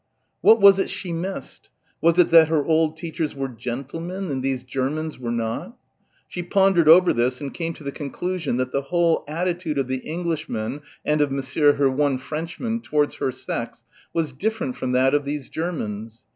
What was it she missed? Was it that her old teachers were "gentlemen" and these Germans were not? She pondered over this and came to the conclusion that the whole attitude of the Englishman and of Monsieur, her one Frenchman, towards her sex was different from that of these Germans.